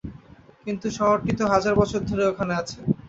কিন্তু শহরটি তো হাজার বছর ধরে ওখানে আছে।